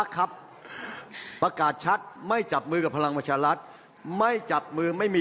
ถามเพื่อให้แน่ใจ